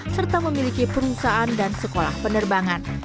serta memiliki perusahaan dan sekolah penerbangan